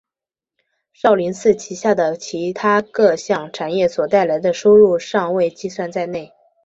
少林寺旗下的其它各项产业所带来的收入尚未计算在内。